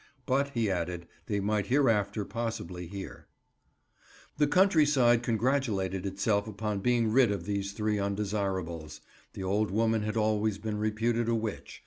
But, he added, they might hereafter possibly hear. The countryside congratulated itself upon being rid of three undesirables. The old woman had always been reputed a witch.